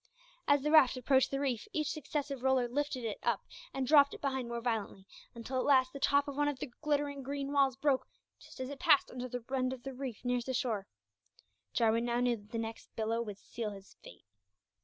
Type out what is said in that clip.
As the raft approached the reef, each successive roller lifted it up and dropped it behind more violently, until at last the top of one of the glittering green walls broke just as it passed under the end of the raft nearest the shore. Jarwin now knew that the next billow would seal his fate.